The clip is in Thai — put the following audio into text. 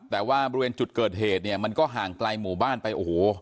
แต่ว่าบริเวณจุดเกิดเหตุเนี่ยมันก็ห่างไกลหมู่บ้านไปโอ้โห